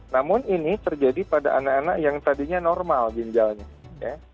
namun ini terjadi pada anak anak yang tadinya normal ginjalnya ya